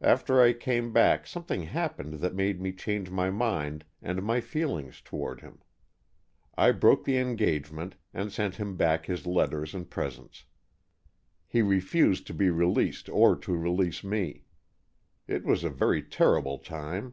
After I came back something happened that made me change my mind and my feelings towards him. I broke the engagement and sent him back his letters and presents. He refused to be released or to release me. It was a very terrible time.